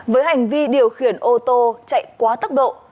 với hành vi điều khiển ô tô chạy quá tốc độ